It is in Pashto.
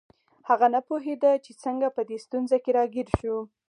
هغه نه پوهیده چې څنګه په دې ستونزه کې راګیر شو